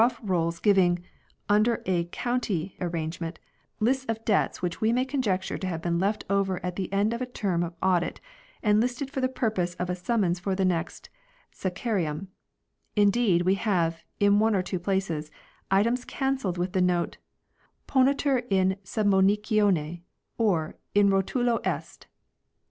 OF THE REIGN OF KING JOHN 281 rolls giving, under a county arrangement, lists of debts which we may conjecture to have been left over at the end of a term of audit and listed for the purpose of a summons for the next " Scaccarium "; indeed we have, in one or two places, items cancelled with the note " ponitur in submonicione " or " in Rotulo est